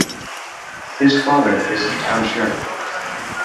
His father is the town sheriff.